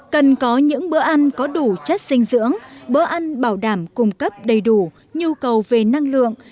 cần có những bữa ăn có đủ chất dinh dưỡng bữa ăn bảo đảm cung cấp đầy đủ nhu cầu về năng lượng